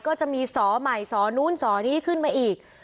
ก็จะมีสสใหม่สสนี่สมนี้อีก